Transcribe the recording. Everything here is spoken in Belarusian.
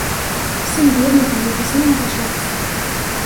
Сын беднага і непісьменнага шаўца.